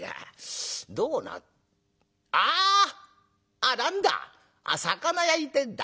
あっ何だ魚焼いてんだ。